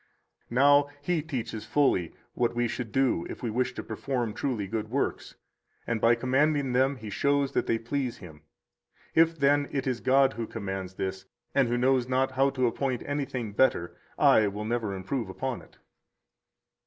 Now, He teaches fully what we should do if we wish to perform truly good works; and by commanding them, He shows that they please Him. If, then, it is God who commands this, and who knows not how to appoint anything better, I will never improve upon it."